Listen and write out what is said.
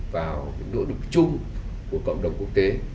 vào những nỗ lực chung của cộng đồng quốc tế